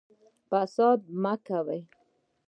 فساد مه کوئ